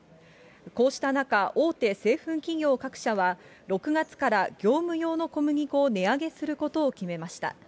こうした中、大手製粉企業各社は、６月から業務用の小麦粉を値上げすることを決めました。